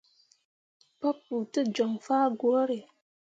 Papou te joŋ fah gwǝǝre.